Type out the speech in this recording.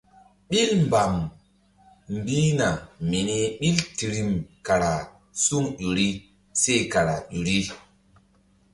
Ɓil mbam mbihna mini ɓil tirim kara suŋ ƴo ri seh kara ƴo ri.